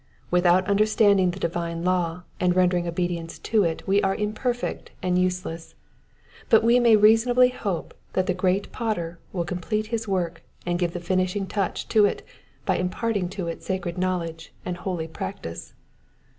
'* Without understanding the divine law and rendering obedience to it we are imperfect and useless ; but we may reasonably hope that the great Potter will complete his work and cive the finishing touch to it by imparting to it sacred knowledge and holy practice.